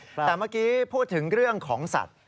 แต่เมื่อกี้พูดถึงเรื่องของสัตว์